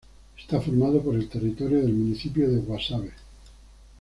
Está formado por el territorio del Municipio de Guasave.